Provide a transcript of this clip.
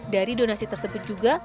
dari donasi tersebut juga